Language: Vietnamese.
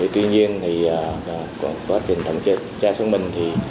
tuy nhiên thì quá trình thẩm chế cho chúng mình thì